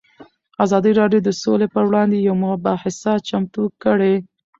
ازادي راډیو د سوله پر وړاندې یوه مباحثه چمتو کړې.